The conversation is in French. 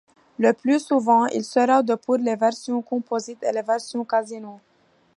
Le plus souvent, il sera de pour les versions composites et les versions casinos.